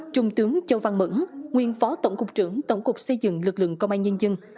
trung tướng châu văn mẫn nguyên phó tổng cục trưởng tổng cục xây dựng lực lượng công an nhân dân